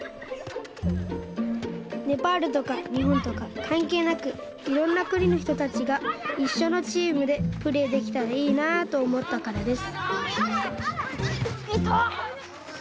ネパールとかにほんとかかんけいなくいろんなくにのひとたちがいっしょのチームでプレーできたらいいなとおもったからです